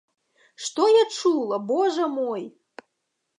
Што я чула, божа мой!